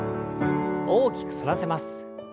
大きく反らせます。